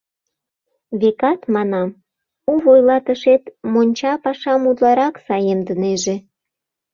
Векат, — манам, — у вуйлатышет монча пашам утларак саемдынеже.